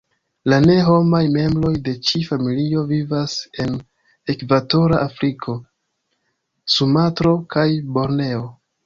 La ne-homaj membroj de ĉi-familio vivas en Ekvatora Afriko, Sumatro, kaj Borneo.